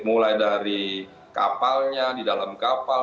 mulai dari kapalnya di dalam kapal